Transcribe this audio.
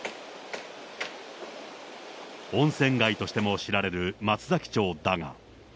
温泉街としても知られる松崎町だが。